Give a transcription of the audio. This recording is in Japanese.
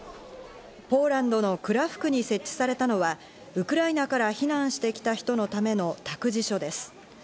ポーランドのクラクフに設置されたのはウクライナから避難してきた人のための託児所です。